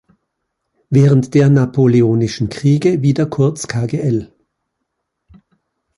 Während der Napoleonischen Kriege wieder kurz kgl.